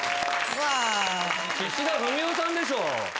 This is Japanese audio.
岸田文雄さんでしょ。